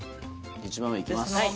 一番上いきます